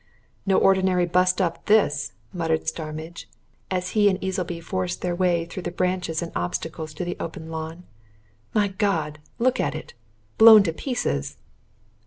"No ordinary burst up, this!" muttered Starmidge, as he and Easleby forced their way through branches and obstacles to the open lawn. "My God! look at it! Blown to pieces!"